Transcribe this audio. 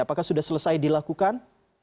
apakah sudah selesai dilakukan